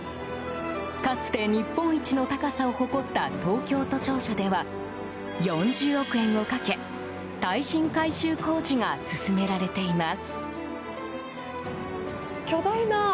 かつて日本一の高さを誇った東京都庁舎では４０億円をかけ、耐震改修工事が進められています。